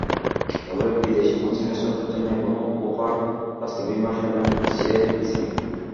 তবে বিদেশি কোচিং স্টাফদের জন্য এখনো বুপার স্বাস্থ্যবিমার সেবাই নিচ্ছে বিসিবি।